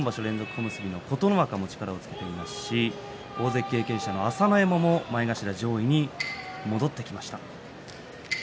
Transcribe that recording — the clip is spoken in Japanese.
琴ノ若も力をつけていますし大関経験者の朝乃山も幕内上位に戻ってきました。